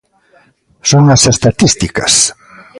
Son as estatísticas.